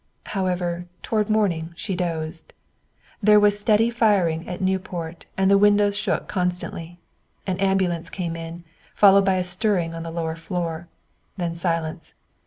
However, toward morning she dozed. There was steady firing at Nieuport and the windows shook constantly. An ambulance came in, followed by a stirring on the lower floor. Then silence.